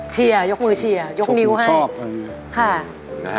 เชียร์ยกมือเชียร์ยกนิ้วให้ชกมือชอบอะไรอย่างนี้